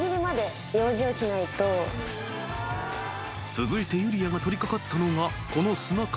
［続いてユリアが取り掛かったのがこの砂壁］